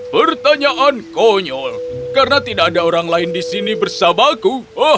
pertanyaan konyol karena tidak ada orang lain di sini bersamaku